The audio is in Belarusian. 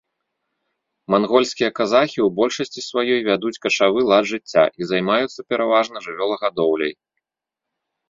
Мангольскія казахі ў большасці сваёй вядуць качавы лад жыцця і займаюцца пераважна жывёлагадоўляй.